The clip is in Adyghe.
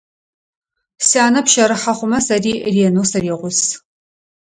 Сянэ пщэрыхьэ хъумэ, сэри ренэу сыригъус.